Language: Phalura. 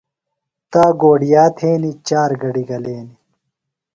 تا گوڈِیا تھینیۡ۔ چار گڈیۡ گلینیۡ۔